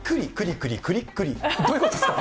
どういうことですか？